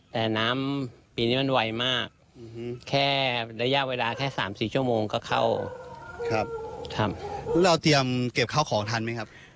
แต่น้ำปีนี้มันไวมากแค่ระยะเวลาแค่สามสี่ชั่วโมงก็เข้าครับทำแล้วเราเตรียมเก็บข้าวของทันไหมครับ